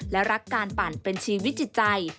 และรักการปั่นเป็นชีวิตจิตใจ